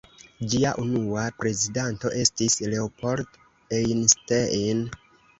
Ĝia unua prezidanto estis Leopold Einstein.